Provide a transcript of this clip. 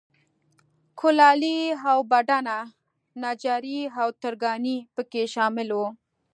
کولالي، اوبدنه، نجاري او ترکاڼي په کې شامل و.